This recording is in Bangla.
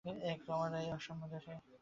এক রমাবাঈ অস্মদ্দেশ হইতে গিয়াছিলেন।